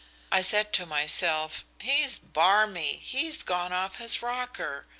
I said to myself, 'He's barmy he's gone off his rocker.'